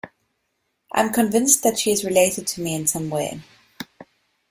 I'm convinced that she is related to me in some way.